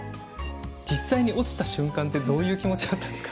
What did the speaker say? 実際に落ちた瞬間ってどういう気持ちだったんですか？